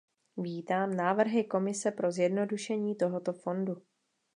Vítám návrhy Komise pro zjednodušení tohoto fondu.